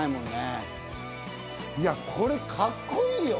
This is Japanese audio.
いやこれカッコいいよ。